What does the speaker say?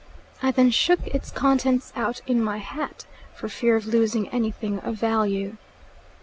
I then shook its contents out in my hat, for fear of losing anything of value.